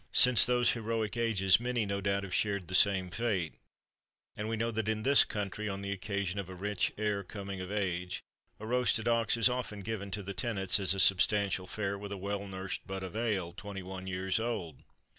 Since those heroic ages many no doubt have shared the same fate; and we know that in this country, on the occasion of a rich heir coming of age, a roasted ox is often given to the tenants as a substantial fare, with a well nursed butt of ale, twenty one years old.